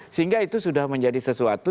sehingga itu sudah menjadi sesuatu